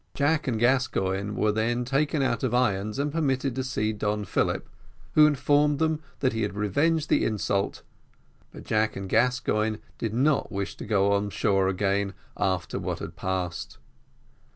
Jack and Gascoigne were then taken out of irons and permitted to see Don Philip, who informed him that he had revenged the insult, but Jack and Gascoigne did not wish to go on shore again after what had passed.